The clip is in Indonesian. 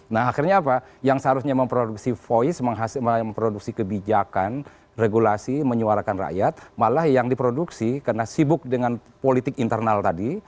nah akhirnya apa yang seharusnya memproduksi voice memproduksi kebijakan regulasi menyuarakan rakyat malah yang diproduksi karena sibuk dengan politik internal tadi